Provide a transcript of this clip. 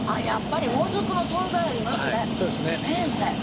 やっぱりもずくの存在ありますね先生